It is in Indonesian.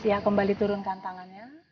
ya kembali turunkan tangannya